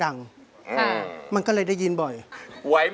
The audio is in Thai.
จะเล่นหรือจะหยุดครับ